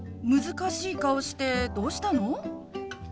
難しい顔してどうしたの？